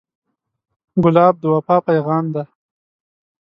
ګلاب د وفا پیغام دی.